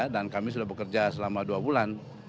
dan kami sudah bekerja selama dua bulan